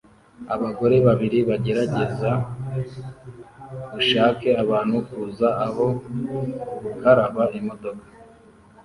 Abagore babiri gerageza ushake abantu kuza aho gukaraba imodoka